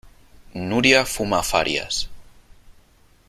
Nuria fuma farias.